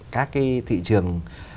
các thị trường